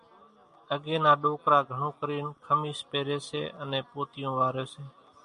اڳيَ نا ڏوڪرا گھڻون ڪرينَ کميس پيريَ سي انين پوتيون واريَ سي۔